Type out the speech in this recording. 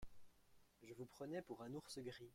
Je vous prenais pour un ours gris.